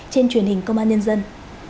trên truyền hình công an nhân dân